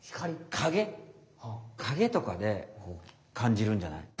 影とかで感じるんじゃない？